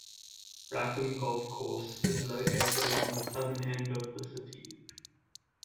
Rackham Golf Course is located along the southern end of the city.